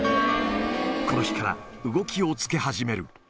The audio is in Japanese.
この日から動きをつけ始める。